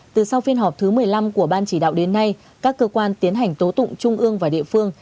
từ sau phiên họp thứ một mươi năm của ban chỉ đạo đến nay các cơ quan tiến hành tố tụng trung ương và địa phương